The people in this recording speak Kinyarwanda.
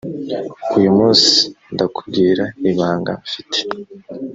uyu munsi ndakubwira ibanga mfite